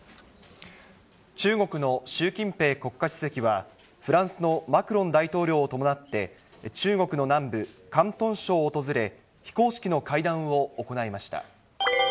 中国の習近平国家主席は、フランスのマクロン大統領を伴って、中国の南部、広東省を訪れ、非公式の会談を行いました。